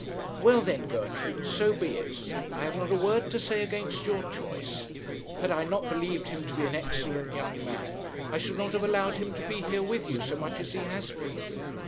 'Well, then, Gertrude, so be it. I have not a word to say against your choice. Had I not believed him to be an excellent young man, I should not have allowed him to be here with you so much as he has been.